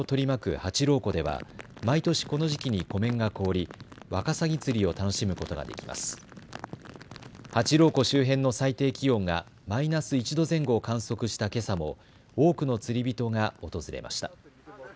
八郎湖周辺の最低気温がマイナス１度前後を観測したけさも多くの釣り人が訪れました。